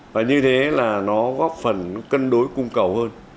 và như thế là nó góp phần cân đối cung cầu hơn